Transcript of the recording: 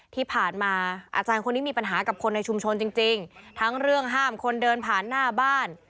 ที่ผ่านมาอาจารย์คนนี้มีปัญหากับคนในชุมชนจริงทั้งเรื่องห้ามคนเดินผ่านหน้าบ้าน